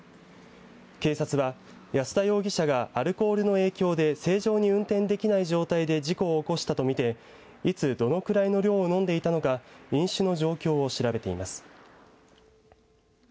警察は、安田容疑者がアルコールの影響で正常に運転できない状態で事故を起こしたとみていつ、どのくらいの量を飲んでいたのか飲酒の状況を調べています。